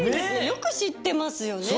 よくしってますよね。